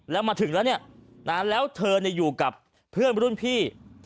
แล้วมาถึงแล้วเนี่ยแล้วเธออยู่กับเพื่อนรุ่นพี่